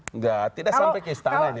enggak tidak sampai kesana ini